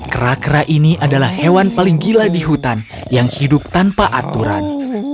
kera kera ini adalah hewan paling gila di hutan yang hidup tanpa aturan